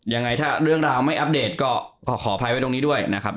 ยังไงถ้าเรื่องราวไม่อัปเดตก็ขออภัยไว้ตรงนี้ด้วยนะครับ